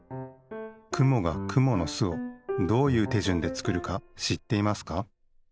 くもがくものすをどういうてじゅんでつくるかしっていますか？